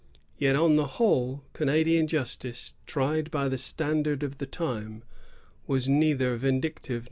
Yet, on the whole, Canadian justice, tried by the standard of the time, was neither vindictive nor cruel.